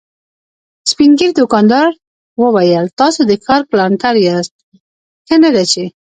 سپين ږيری دوکاندار وويل: تاسو د ښار کلانتر ياست، ښه نه ده چې…